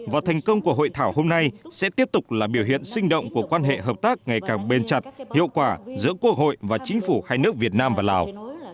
và thành công của hội thảo hôm nay sẽ tiếp tục là biểu hiện sinh động của quan hệ hợp tác ngày càng bền chặt hiệu quả giữa quốc hội và chính phủ hai nước việt nam và lào